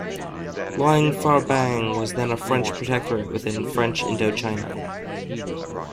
Luang Phrabang was then a French protectorate within French Indochina.